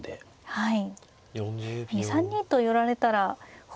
はい。